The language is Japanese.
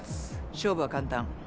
勝負は簡単。